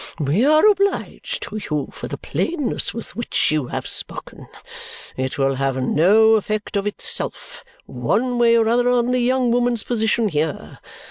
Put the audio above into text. We are obliged to you for the plainness with which you have spoken. It will have no effect of itself, one way or other, on the young woman's position here.